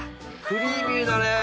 クリーミーです。